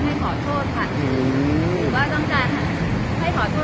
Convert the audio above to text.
เขลือดอกว่าต้องการให้ขอโทษค่ะ